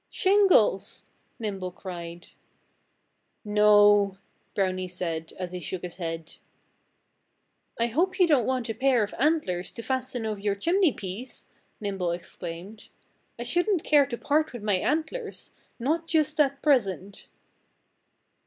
"Shingles!" Nimble cried. "No!" Brownie said, as he shook his head. "I hope you don't want a pair of antlers to fasten over your chimney piece!" Nimble exclaimed. "I shouldn't care to part with my antlers not just at present!"